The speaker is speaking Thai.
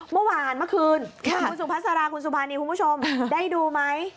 เมื่อวานเมื่อคืนคุณสุภาษาราคุณสุภานีคุณผู้ชมได้ดูไหม